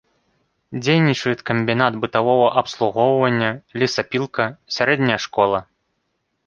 Дзейнічаюць камбінат бытавога абслугоўвання, лесапілка, сярэдняя школа.